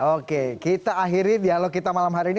oke kita akhiri dialog kita malam hari ini